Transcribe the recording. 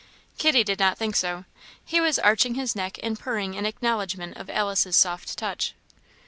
Kitty did not think so; he was arching his neck and purring in acknowledgment of Alice's soft touch.